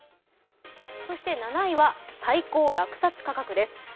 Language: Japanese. そして７位は最高落札価格です。